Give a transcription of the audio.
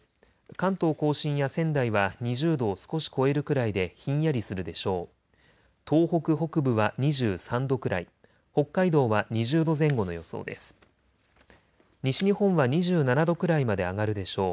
関東甲信や仙台は２０度を少し超えるくらいでひんやりするでしょう。